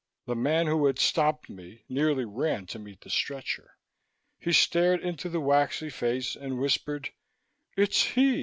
The man who had stopped me nearly ran to meet the stretcher. He stared into the waxy face and whispered, "It's he!